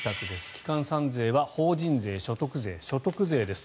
基幹三税は法人税、消費税、所得税です。